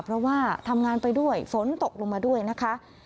เพราะว่าทำงานไปด้วยฝนตกลงมาด้วยนะคะ